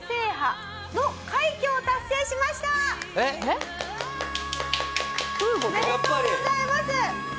やっぱり。おめでとうございます！